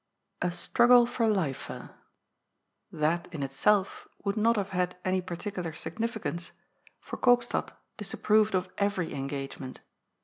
A « STBUOOLE FOB LIFEB.'* That, in itself, would not have had any particular significance, for Koopstad disapproved of every engagement.